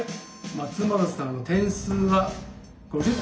松丸さんの点数はおっ！